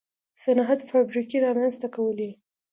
صنعت فابریکې رامنځته کولې.